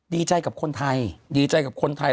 ดีใจกับคนไทยดีใจกับคนไทย